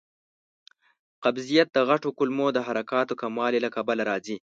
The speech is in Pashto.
قبضیت د غټو کولمو د حرکاتو کموالي له کبله راځي.